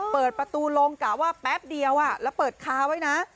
เปิดประตูลงกะว่าแป๊บเดียวแล้วเปิดคาไว้นะ